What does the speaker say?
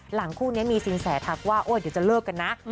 คู่นี้มีสินแสทักว่าเดี๋ยวจะเลิกกันนะ